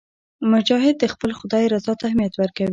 مجاهد د خپل خدای رضا ته اهمیت ورکوي.